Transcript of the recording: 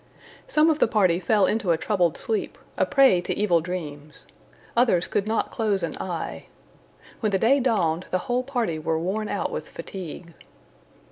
Some of the party fell into a troubled sleep, a prey to evil dreams; others could not close an eye. When the day dawned, the whole party were worn out with fatigue.